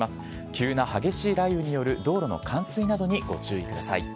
急な激しい雷雨による道路の冠水などにご注意ください。